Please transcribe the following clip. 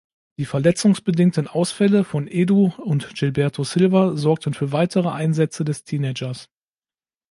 Die verletzungsbedingten Ausfälle von Edu und Gilberto Silva sorgten für weitere Einsätze des Teenagers.